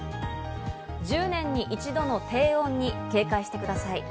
１０年に一度の低温に警戒してください。